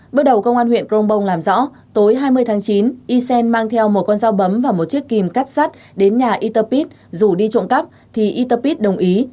bước đầu công an huyện crongbong làm rõ tối hai mươi tháng chín ysen mang theo một con dao bấm và một chiếc kìm cắt sắt đến nhà yter pit dù đi trộm cắp thì yter pit đồng ý